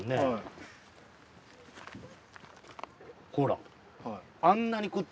ほら。